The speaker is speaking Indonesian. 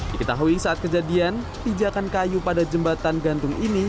diketahui saat kejadian pijakan kayu pada jembatan gantung ini